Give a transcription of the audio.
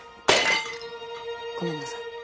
ごめんなさい。